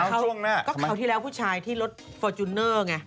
ก็เก่าที่แล้วผู้ชายที่รถฟอร์จุเนอร์ไง